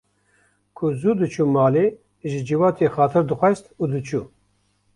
Ku zû diçû malê ji civatê xatir dixwest û diçû